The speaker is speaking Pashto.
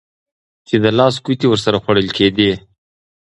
چې د لاس ګوتې ورسره خوړل کېدې.